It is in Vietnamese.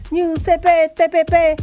như cp tpp